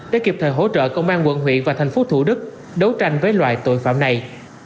để kịp thời hỗ trợ công an quận huyện và thành phố thủ đức đấu tranh với loại tội phạm này